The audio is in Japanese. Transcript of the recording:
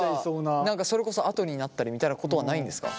何かそれこそ跡になったりみたいなことはないんですか？